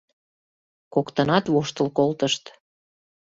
Коктынат воштыл колтышт.